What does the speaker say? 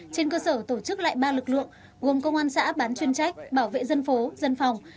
trên cơ sở tổ chức lại ba lực lượng gồm công an xã bán chuyên trách bảo vệ dân phố dân phòng